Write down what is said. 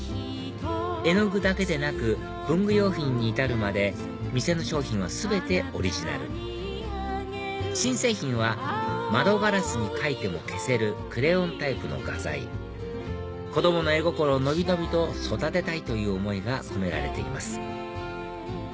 絵の具だけでなく文具用品に至るまで店の商品は全てオリジナル新製品は窓ガラスに描いても消せるクレヨンタイプの画材子供の絵心を伸び伸びと育てたいという思いが込められています